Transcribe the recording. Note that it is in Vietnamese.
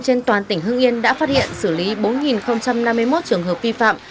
trên toàn tỉnh hưng yên đã phát hiện xử lý bốn năm mươi một trường hợp vi phạm